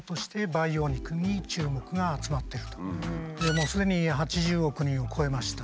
もうすでに８０億人を超えました。